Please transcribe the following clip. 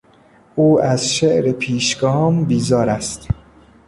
او از شعر پیشگام بیزار است.